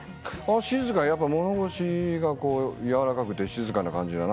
静かやっぱ物腰が柔らかくて静かな感じだな。